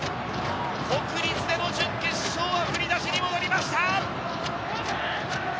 国立の準決勝は振り出しに戻りました！